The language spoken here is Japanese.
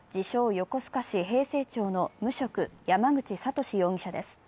・横須賀市平成町の無職、山口悟志容疑者です。